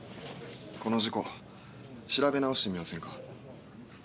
この事故調べ直してみませんか。